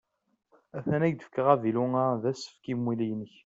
At-an ad k-d-fkeɣ avilu-a d asefk i umulli-inek.